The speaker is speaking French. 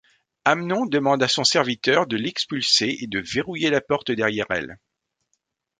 Amnon demande à son serviteur de l'expulser et de verrouiller la porte derrière elle.